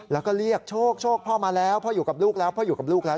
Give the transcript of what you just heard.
แล้วก็เรียกโชคพ่อมาแล้วพ่ออยู่กับลูกแล้ว